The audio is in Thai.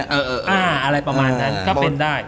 อะไรประมาณนั้นก็เป็นได้